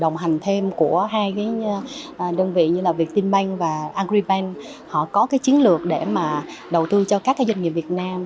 đồng hành thêm của hai đơn vị như viettelbank và agribank họ có chiến lược để đầu tư cho các doanh nghiệp việt nam